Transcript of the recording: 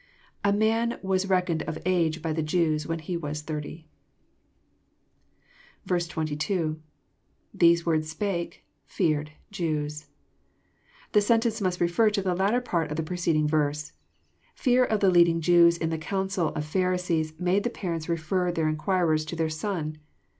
( A man was reckoned *<of age" by the Jews when he was thirty. 22. — IThese words 8pake...feared...Jews.'] This sentence must re fer to the latter part of the preceding verse. Fear of the lead ing Jews in the council of Pharisees made the parents refer their inquirers to their son.